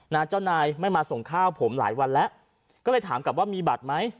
เจ้านายไม่มาส่งข้าวผมหลายวันแล้วก็เลยถามกลับว่ามีบัตรไหม